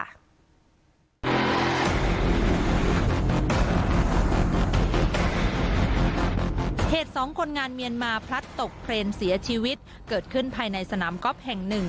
เหตุสองคนงานเมียนมาพลัดตกเครนเสียชีวิตเกิดขึ้นภายในสนามก๊อฟแห่งหนึ่ง